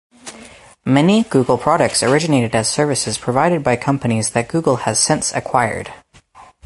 Many Google products originated as services provided by companies that Google has since acquired.